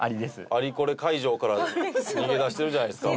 アリ・コレ会場から逃げ出してるじゃないですか